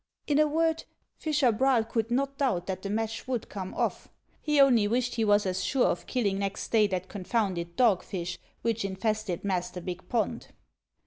In a word, fisher Braal could not doubt that the match would come off; he only wished he was as sure of killing next day that confounded dogfish which infested Master Bick pond.